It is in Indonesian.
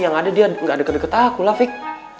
yang ada dia gak deket deket akulah vick